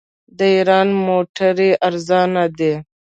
د ایران موټرې ارزانه دي.